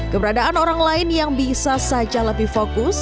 keberadaan orang lain yang bisa saja lebih fokus